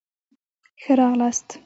ښه راغلاست